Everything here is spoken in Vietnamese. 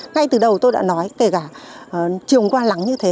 ngay từ đầu tôi đã nói kể cả trường qua lắng như thế